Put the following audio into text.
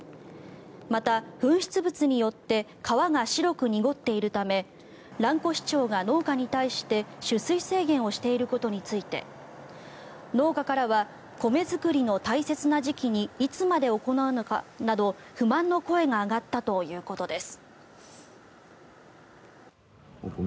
また、噴出物によって川が白く濁っているため蘭越町が農家に対して取水制限をしていることについて農家からは米作りの大切な時期にいつまで行うのかなど不満の声が上がったということです。